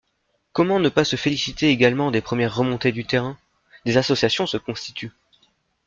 Comment ne pas se féliciter également des premières remontées du terrain ? Des associations se constituent.